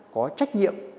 có trách nhiệm